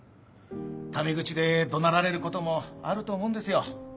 タメ口で怒鳴られることもあると思うんですよ。